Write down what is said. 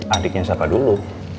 adiknya siapa dulu